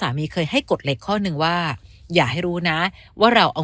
เคยให้กฎเหล็กข้อหนึ่งว่าอย่าให้รู้นะว่าเราเอา